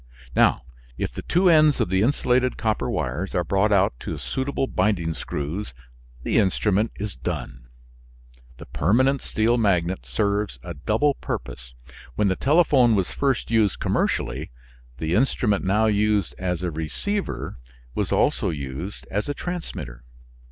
Now if the two ends of the insulated copper wires are brought out to suitable binding screws the instrument is done. The permanent steel magnet serves a double purpose. When the telephone was first used commercially, the instrument now used as a receiver was also used as a transmitter.